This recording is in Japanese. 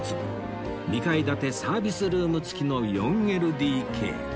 ２階建てサービスルーム付きの ４ＬＤＫ